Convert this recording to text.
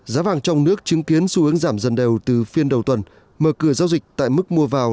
giá vàng trong nước chứng kiến xu hướng giảm dần đều từ phiên đầu tuần mở cửa giao dịch tại mức mua vào